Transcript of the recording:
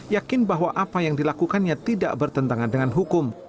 yakin bahwa apa yang dilakukannya tidak bertentangan dengan hukum